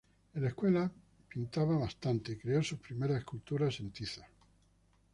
En la escuela pintaba bastante y creó sus primeras esculturas en tiza.